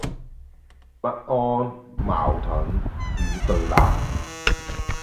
不安、矛盾、與對立